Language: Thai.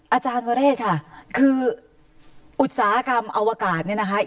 อาจารย์วเรศค่ะคืออุตสาหกรรมอวกาศเนี่ยนะคะ